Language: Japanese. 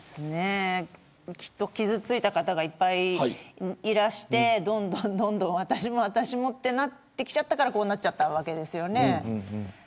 きっと傷ついた方がいっぱいいらしてどんどん、私も私もとなってきたからこうなっちゃったわけですよね。